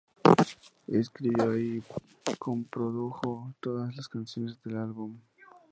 Escribió y coprodujo todas las canciones del álbum.